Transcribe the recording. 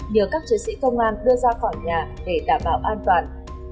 nhờ các chiến sĩ công an đưa ra khỏi nhà để đảm bảo an toàn